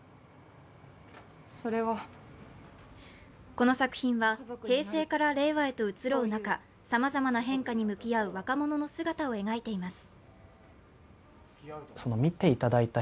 この作品は平成から令和へと移ろう中、さまざまな変化に向き合う若者の姿を描いています。